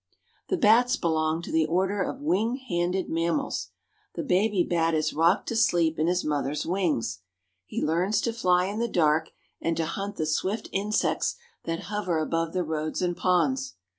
The bats belong to the Order of Wing Handed Mammals. The baby bat is rocked to sleep in his mother's wings. He learns to fly in the dark and to hunt the swift insects that hover above the roads and ponds.